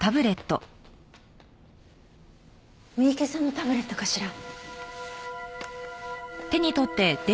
三池さんのタブレットかしら？